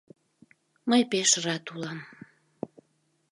Мый пеш рат улам.